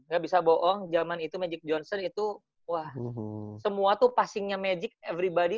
gak bisa bohong zaman itu magic johnson itu wah semua tuh passingnya magic everybody